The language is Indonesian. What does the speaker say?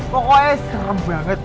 pokoknya serem banget